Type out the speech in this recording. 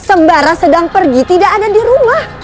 sembara sedang pergi tidak ada di rumah